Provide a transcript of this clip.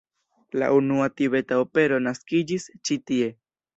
La unua tibeta opero naskiĝis ĉi tie.